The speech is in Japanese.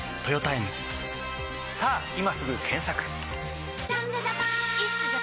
さぁ今すぐ検索！